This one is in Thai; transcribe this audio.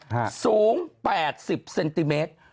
ฮะสูง๘๐เซนติเมตร